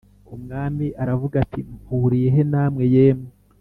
Umwami aravuga ati Mpuriye he namwe yemwe